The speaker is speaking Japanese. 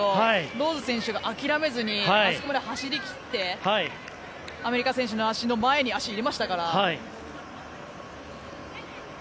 ローズ選手が諦めずにあそこまで走り切ってアメリカ選手の足の前に足を入れましたから。